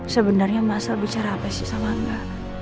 sebenarnya mas al bicara apa sih sama angga